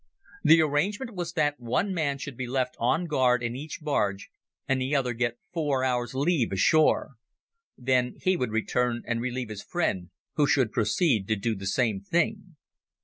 The arrangement was that one man should be left on guard in each barge, and the other get four hours' leave ashore. Then he would return and relieve his friend, who should proceed to do the same thing.